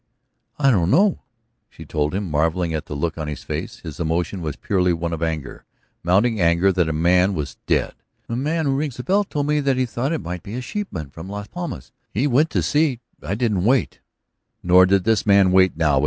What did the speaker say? "I don't know," she told him, marvelling at the look on his face. His emotion was purely one of anger, mounting anger that a man was dead? "The man who rings the bells told me that he thought it must be a sheepman from Las Palmas. He went to see. ... I didn't wait. ..." Nor did this man wait now.